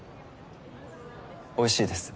おいしいです。